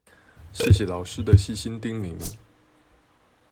謝謝老師的細心叮嚀